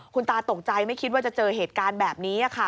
คุณตาตกใจไม่คิดว่าจะเจอเหตุการณ์แบบนี้ค่ะ